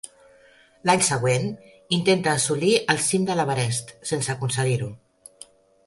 L'any següent intenta assolir el cim de l'Everest sense aconseguir-ho.